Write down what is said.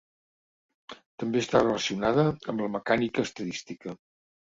També està relacionada amb la mecànica estadística.